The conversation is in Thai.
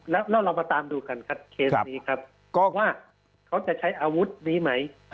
แล้วเรามาตามดูกันครับเคสนี้ครับก็ว่าเขาจะใช้อาวุธนี้ไหม